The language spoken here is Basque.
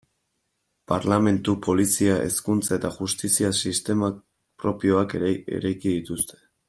Parlementu, polizia, hezkuntza eta justizia sistema propioak ere eraiki dituzte.